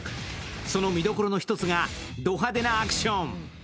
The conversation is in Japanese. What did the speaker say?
その見どころの一つが、ド派手なアクション。